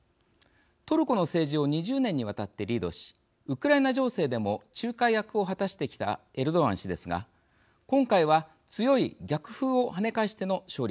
トルコの政治を２０年にわたってリードしウクライナ情勢でも仲介役を果たしてきたエルドアン氏ですが今回は強い逆風をはね返しての勝利でした。